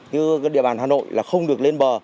như địa bàn hà nội là không được lên bờ